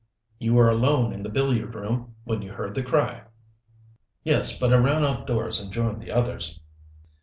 "You were alone in the billiard room when you heard the cry?" "Yes. But I ran outdoors and joined the others."